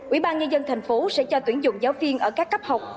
ủy ban nhân dân thành phố sẽ cho tuyển dụng giáo viên ở các cấp học